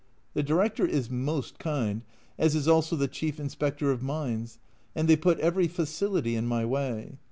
The Director is most kind, as is also the chief Inspector of Mines, and they put every facility in my way.